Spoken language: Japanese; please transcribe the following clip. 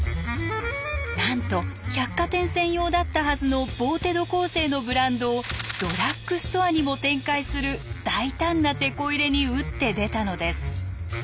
なんと百貨店専用だったはずのボーテ・ド・コーセーのブランドをドラッグストアにも展開する大胆なテコ入れに打って出たのです。